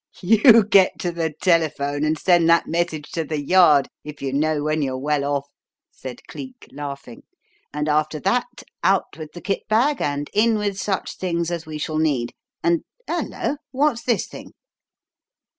"You 'get to' the telephone and send that message to The Yard, if you know when you're well off," said Cleek, laughing. "And, after that, out with the kit bag and in with such things as we shall need; and Hullo! what's this thing?"